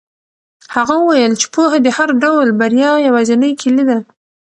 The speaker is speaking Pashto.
هغه وویل چې پوهه د هر ډول بریا یوازینۍ کیلي ده.